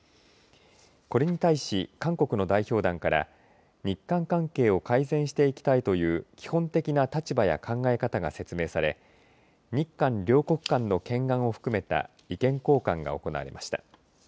これに対し韓国の代表団から日韓関係を改善していきたいという基本的な立場や考え方が説明され日韓両国間の懸案を含めた意見交換が行われました。